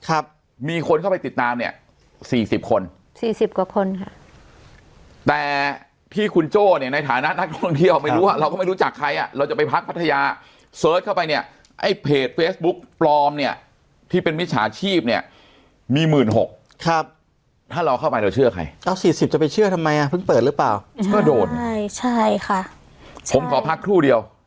ไอ้เพจเฟซบุ๊คปลอมเนี่ยที่เป็นมิจฉาชีพเนี่ยมีหมื่นหกครับถ้าเราเข้าไปถูกเชื่อใครเอาสี่สิบจะไปเชื่อทำไมอ่ะเพิ่งเปิดหรือเปล่าก็โดนใช่ค่ะผมขอพักที่เดียว